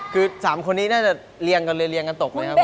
คือ๓คนนี้น่าจะเรียงกันเลยเรียงกันตกเลยครับ